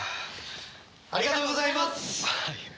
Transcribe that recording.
ありがとうございます！